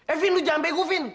eh vin lu jangan begu vin